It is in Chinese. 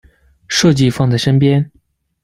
设计放在身边